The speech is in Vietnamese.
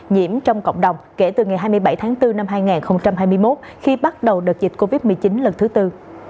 nhiễm trong cộng đồng kể từ ngày hai mươi bảy tháng bốn năm hai nghìn hai mươi một khi bắt đầu đợt dịch covid một mươi chín lần thứ tư